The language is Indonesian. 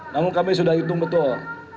namun kami sudah hitung betul